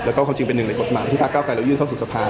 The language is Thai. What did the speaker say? แล้วก็เขาจึงเป็นหนึ่งในกฎภาพที่พระเก้าไกรแล้วยืนเข้าสุดสะพาน